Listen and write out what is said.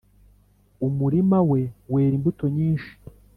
Umurima we wera imbuto nyinshi